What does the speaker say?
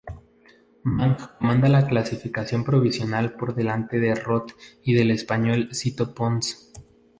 Mang comanda la clasificación provisional por delante de Roth y del español Sito Pons.